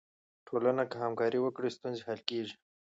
ټولنه که همکاري وکړي، ستونزې حل کیږي.